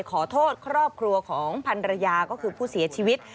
ขอโทษครอบครัวของพันรยาก็คือผู้เสียชีวิต